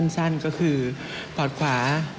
สั้นก็คือปอดขวา